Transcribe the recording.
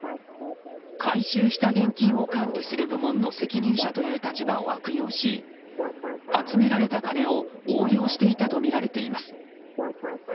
回収した現金を管理する部門の責任者という立場を悪用し集められた金を横領していたとみられています。